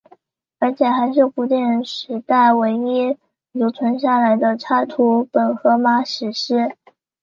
而且还是古典时代唯一留存下来的插图本荷马史诗。